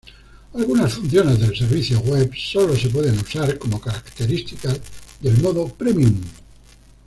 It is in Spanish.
Algunas funciones del servicio web sólo se pueden usar como características del modo premium.